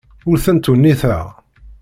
Ur ten-ttwenniteɣ.